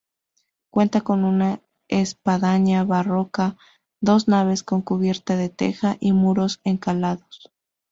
Cuenta con una espadaña barroca, dos naves con cubierta de teja y muros encalados.